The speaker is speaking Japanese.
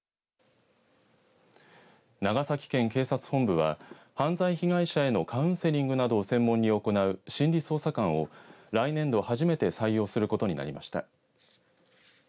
長崎県警察本部は犯罪被害者へのカウンセリングなどを専門に行う心理捜査官を来年度、初めて採用することになりました。